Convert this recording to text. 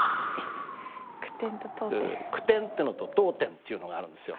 句点ってのと読点っていうのがあるんですよ。